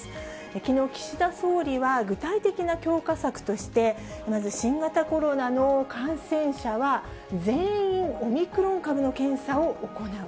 きのう、岸田総理は具体的な強化策として、まず新型コロナの感染者は全員オミクロン株の検査を行う。